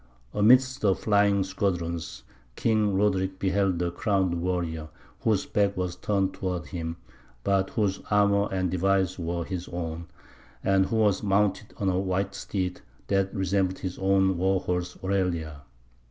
Amidst the flying squadrons King Roderick beheld a crowned warrior, whose back was turned towards him, but whose armour and device were his own, and who was mounted on a white steed that resembled his own war horse Orelia.